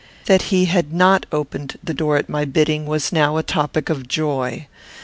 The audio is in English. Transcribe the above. That he had not opened the door at my bidding was now a topic of joy.